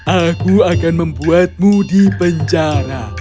aku akan membuatmu di penjara